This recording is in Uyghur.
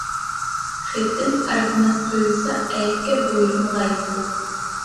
خېتىم ئەرزىمەس تۇيۇلسا ئەيىبكە بۇيرۇمىغايسىز.